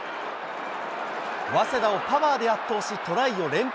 早稲田をパワーで圧倒し、トライを連発。